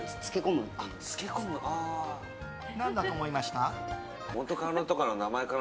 何だと思いました？